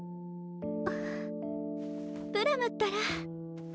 ああプラムったら。